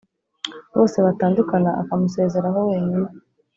Bose Batandukana akamusezeraho wenyine.